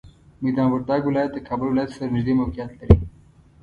میدان وردګ ولایت د کابل ولایت سره نږدې موقعیت لري.